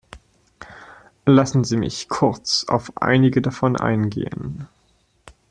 Lassen sie mich kurz auf einige davon eingehen.